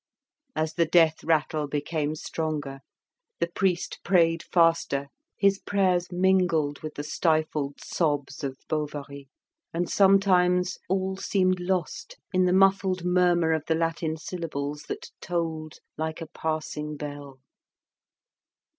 As the death rattle became stronger the priest prayed faster; his prayers mingled with the stifled sobs of Bovary, and sometimes all seemed lost in the muffled murmur of the Latin syllables that tolled like a passing bell.